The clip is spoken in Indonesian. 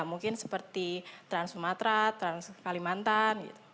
mungkin seperti trans sumatra trans kalimantan gitu